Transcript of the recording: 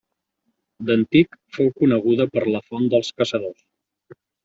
D'antic fou coneguda per la font dels Caçadors.